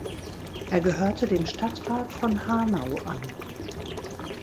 Er gehörte dem Stadtrat von Hanau an.